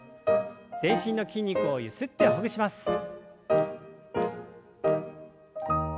全身の筋肉をゆすってほぐします。